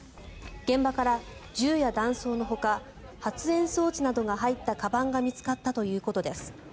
現場から銃や弾倉のほか発煙装置などが入ったかばんが見つかったということです。